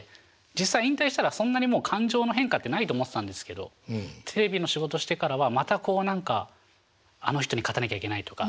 実際引退したらそんなにもう感情の変化ってないと思ってたんですけどテレビの仕事してからはまたこう何か「あの人に勝たなきゃいけない」とか。